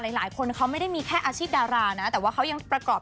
หลายคนเขาไม่ได้มีแค่อาชีพดารานะแต่ว่าเขายังประกอบ